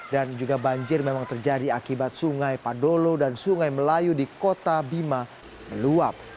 dan juga banjir memang terjadi akibat sungai padolo dan sungai melayu di kota bima meluap